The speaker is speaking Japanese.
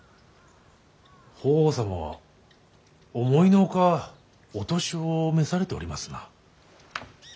法皇様は思いの外お年を召されておりますな。